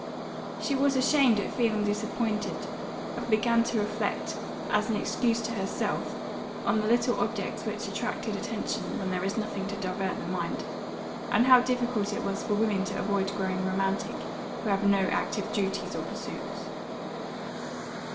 She was ashamed at feeling disappointed; and began to reflect, as an excuse to herself, on the little objects which attract attention when there is nothing to divert the mind; and how difficult it was for women to avoid growing romantic, who have no active duties or pursuits.